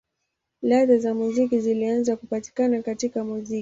Ladha za muziki zilianza kupatikana katika muziki.